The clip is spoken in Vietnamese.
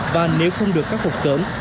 và nếu không được khắc phục sớm